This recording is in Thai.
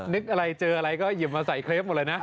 นึกอะไรเจออะไรก็หยิบมาใส่เคลปหมดเลยนะ